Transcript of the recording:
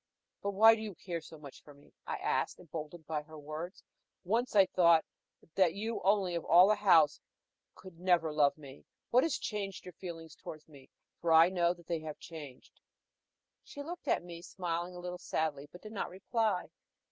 "But why do you care so much for me?" I asked, emboldened by her words. "Once I thought that you only of all in the house would never love me: what has changed your feelings towards me, for I know that they have changed?" She looked at me, smiling a little sadly, but did not reply.